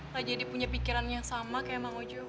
lah jadi punya pikirannya yang sama kayak mak ojo